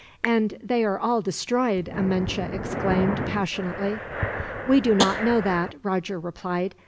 "And they are all destroyed," Amenche exclaimed, passionately. "We do not know that," Roger replied.